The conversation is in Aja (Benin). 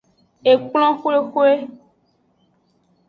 Ekplon hwehwe.